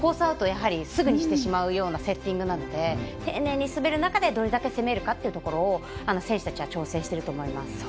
アウトすぐにしてしまうようなセッティングなので丁寧に滑る中でどれだけ攻めるかということを選手たちは調整してると思います。